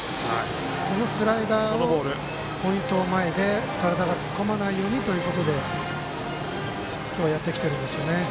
このスライダーをポイントを前で体が突っ込まないようにということでやってきているんですね。